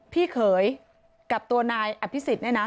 พี่เขยกับตัวนายอภิษฎเนี่ยนะ